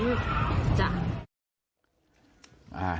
นี่แหละฮะ